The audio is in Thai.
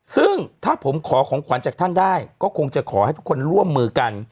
ซึ่งถ้าผมขอของขวัญจากท่านได้ก็คงจะขอให้ทุกคนร่วมมือกัน